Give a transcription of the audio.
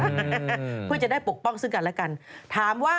โอลี่คัมรี่ยากที่ใครจะตามทันโอลี่คัมรี่ยากที่ใครจะตามทัน